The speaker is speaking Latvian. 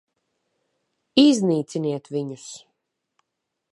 Iznīciniet viņus!